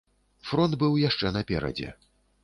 Фронт быў яшчэ наперадзе.